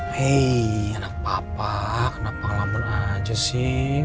hei anak papa kenapa lamban aja sih